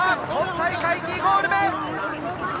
今大会２ゴール目！